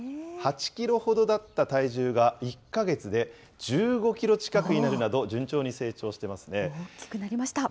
８キロほどだった体重が１か月で１５キロ近くになるなど順調に成大きくなりました。